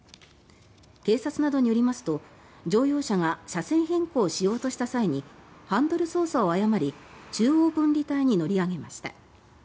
警察などによりますと乗用車が車線変更しようとした際にハンドル操作を誤り中央分離帯に乗り上げました。